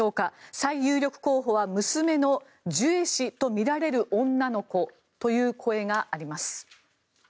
最有力候補は娘のジュエ氏とみられる女の子という声があります。